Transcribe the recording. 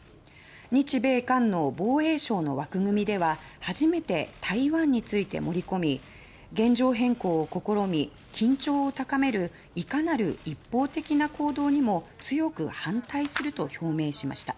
日米韓の防衛相の枠組みでは初めて台湾について盛り込み現状変更を試み、緊張を高めるいかなる一方的な行動にも強く反対すると表明しました。